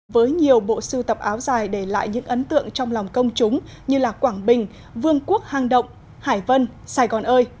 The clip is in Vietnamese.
với nhiều bộ sưu tập áo dài để lại những ấn tượng trong lòng công chúng như quảng bình vương quốc hàng động hải vân sài gòn ơi